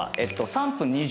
３分２０。